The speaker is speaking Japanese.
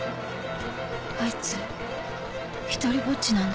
あいつ独りぼっちなんだ